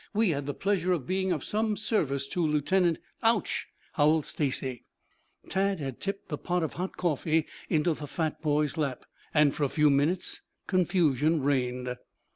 We had the pleasure of being of some service to Lieutenant " "Ouch!" howled Stacy. Tad had tipped the pot of hot coffee into the fat boy's lap, and for a few moments confusion reigned.